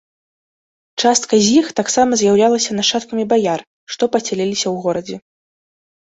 Частка з іх таксама з'яўлялася нашчадкамі баяр, што пасяліліся ў горадзе.